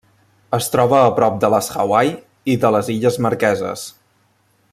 Es troba a prop de les Hawaii i de les Illes Marqueses.